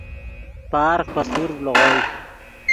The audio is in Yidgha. پارغ پے سورڤ لیغوئے